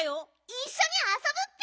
いっしょにあそぶッピ！